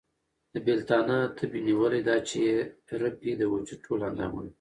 د بېلتانه تبې نيولی ، دا چې ئې رپي د وجود ټول اندامونه